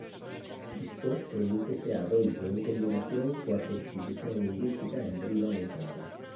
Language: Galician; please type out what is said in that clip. Isto prodúcese adoito en combinación coa substitución lingüística enriba mencionada.